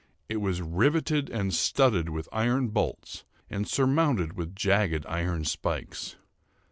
It was riveted and studded with iron bolts, and surmounted with jagged iron spikes.